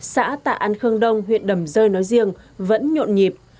xã tạ an khương đông huyện đầm rơi nói riêng vẫn nhộn nhịp